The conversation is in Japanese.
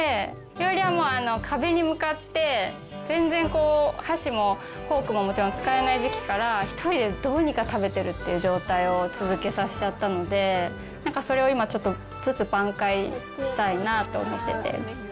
日和は壁に向かって全然箸もフォークももちろん使えない時期から、１人でどうにか食べてるっていう状態を続けさせちゃったので、なんかそれを今、ちょっとずつ挽回したいなと思ってて。